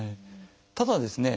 ただですね